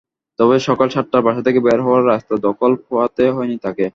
তবে সকাল সাতটায় বাসা থেকে বের হওয়ায় রাস্তায় ধকল পোহাতে হয়নি তাঁকে।